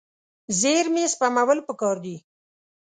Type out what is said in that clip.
زیرمې سپمول پکار دي.